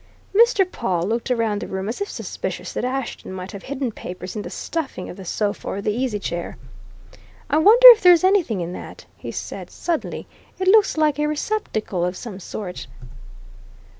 Mr. Pawle looked round the room, as if suspicious that Ashton might have hidden papers in the stuffing of the sofa or the easy chair. "I wonder if there's anything in that," he said suddenly. "It looks like a receptacle of some sort."